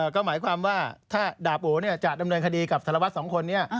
ก็หมายความว่าถ้าดาบโอจะดำเนินคดีกับสารวัตรสองคนนี้